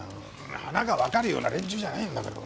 花がわかるような連中じゃないんだから。